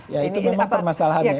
ya itu memang permasalahan ya